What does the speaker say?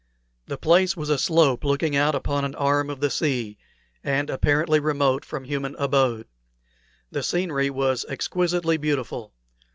The place was a slope looking out upon an arm of the sea, and apparently remote from human abode. The scenery was exquisitely beautiful.